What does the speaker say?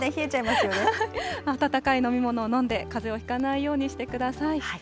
温かい飲み物を飲んで、かぜをひかないようにしてください。